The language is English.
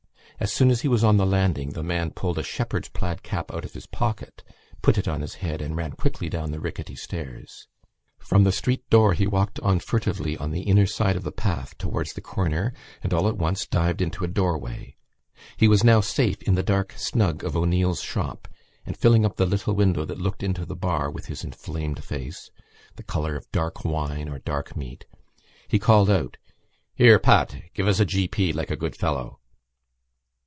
As soon as he was on the landing the man pulled a shepherd's plaid cap out of his pocket, put it on his head and ran quickly down the rickety stairs. From the street door he walked on furtively on the inner side of the path towards the corner and all at once dived into a doorway. He was now safe in the dark snug of O'Neill's shop, and filling up the little window that looked into the bar with his inflamed face, the colour of dark wine or dark meat, he called out: "Here, Pat, give us a g.p., like a good fellow."